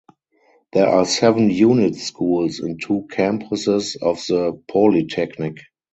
There are seven unit schools in two campuses of the polytechnic.